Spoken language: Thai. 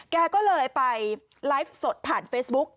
แกก็เลยไปไลฟ์สดผ่านเฟซบุ๊ก